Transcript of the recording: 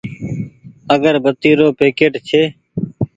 اگربتي رو پيڪيٽ ڇي۔